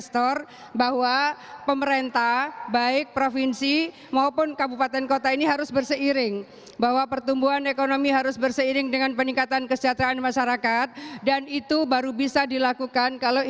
tetapi banyak yang tidak